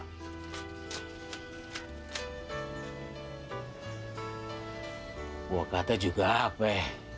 gue katanya juga apa